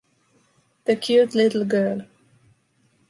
the cute little girl.